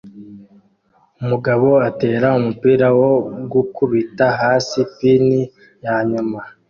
Umugabo atera umupira wo gukubita hasi pin yanyuma